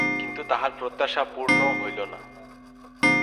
কিন্তু তাহার প্রত্যাশা পূর্ণ হইল না।